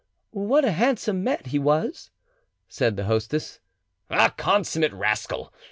"What a handsome man he was!" said the hostess. "A consummate rascal!